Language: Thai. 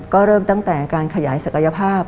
ก็เริ่มตั้งแต่การขยายศักยภาพ